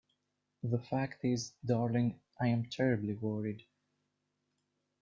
The fact is, darling, I am terribly worried.